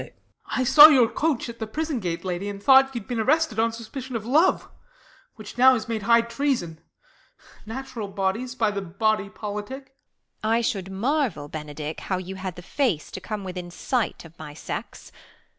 I saw your coach at the prison gate, lady, And thought y' had been arrested on Suspicion of love, which now is made high treafon. Natural bodies by the body politic. Beat. I should marvel, Benedick, how you had The face to come within sight of my sex.